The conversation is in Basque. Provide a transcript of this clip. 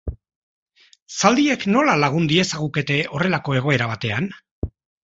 Zaldiek nola lagun diezagukete horrelako egoera batean?